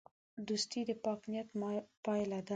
دوستي د پاک نیت پایله ده.